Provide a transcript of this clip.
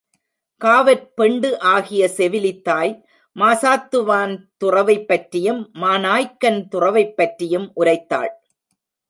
காவற் பெண்டு ஆகிய செவிலித்தாய் மாசாத்துவான் துறவைப் பற்றியும், மாநாய்கன் துறவைப்பற்றியும் உரைத் தாள்.